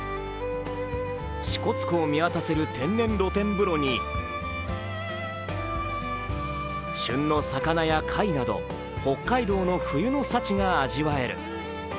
支笏湖を見渡せる天然露天風呂に旬の魚や貝など北海道の冬の幸が味わえる。